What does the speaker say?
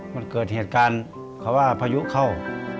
มันเกิดเหตุการณ์เขาว่าพายุเข้า